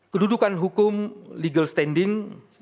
kedudukan hukum legal standing